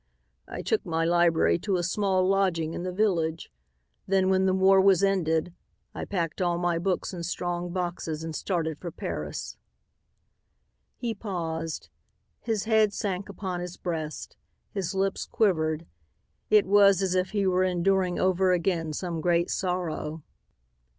"I took my library to a small lodging in the village. Then, when the war was ended, I packed all my books in strong boxes and started for Paris." He paused. His head sank upon his breast. His lips quivered. It was as if he were enduring over again some great sorrow.